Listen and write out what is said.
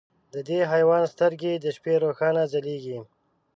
د دې حیوان سترګې د شپې روښانه ځلېږي.